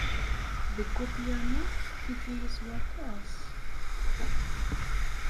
Deg upyanu, tif-iyi s waṭas.